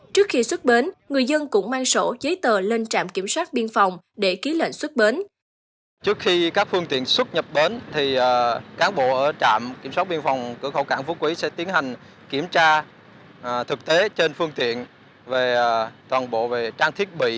trước khi xuất bến người dân cũng mang sổ giấy tờ lên trạm kiểm soát biên phòng để ký lệnh xuất bến